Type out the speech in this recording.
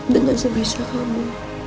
dengan sebisa kamu